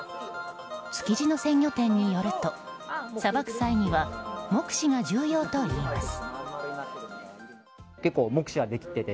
築地の鮮魚店によるとさばく際には目視が重要といいます。